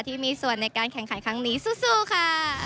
ที่มีส่วนในการแข่งขันครั้งนี้สู้ค่ะ